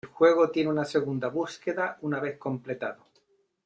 El juego tiene una segunda búsqueda una vez completado.